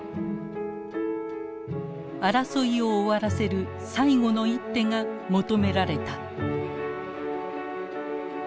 争いを終わらせる最後の一手が求められた。